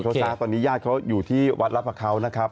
เขาซ้าตอนนี้ญาติเขาอยู่ที่วัดรับประเขานะครับ